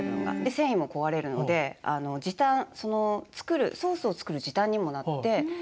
繊維も壊れるのでソースを作る時短にもなって。